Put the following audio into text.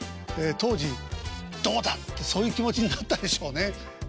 当時「どうだ」ってそういう気持ちになったでしょうね。